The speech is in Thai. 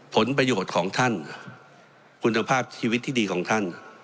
ผลประโยชน์ของท่านคุณภาพชีวิตที่ดีของท่าน